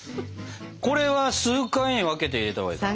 これは数回に分けて入れたほうがいいかな？